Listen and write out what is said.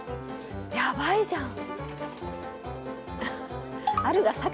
やばいじゃん。